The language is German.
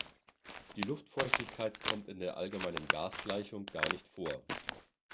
Die Luftfeuchtigkeit kommt in der allgemeinen Gasgleichung gar nicht vor.